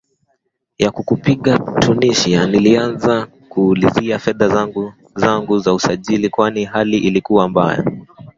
ya kukipiga Tunisia nilianza kuulizia fedha zangu zangu za usajili kwani hali ilikuwa mbaya